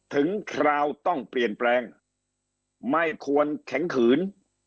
คราวต้องเปลี่ยนแปลงไม่ควรแข็งขืน